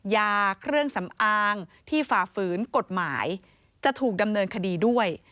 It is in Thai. ยาเครื่องสำอางที่ฝ่าฝืนกฎหมายจะถูกดำเนินคดีด้วย